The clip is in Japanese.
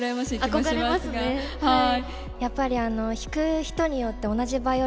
憧れますねはい。